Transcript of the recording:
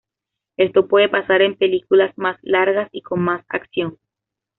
Esto puede pasar en películas más largas y con más acción.